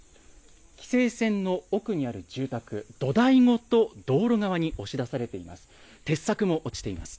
規制線の奥にある住宅、土台ごと道路側に押し出されています。